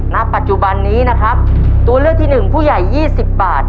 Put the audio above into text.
ณปัจจุบันนี้นะครับตัวเลือกที่หนึ่งผู้ใหญ่ยี่สิบบาท